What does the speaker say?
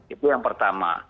itu yang pertama